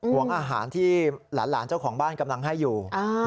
ห่วงอาหารที่หลานเจ้าของบ้านกำลังให้อยู่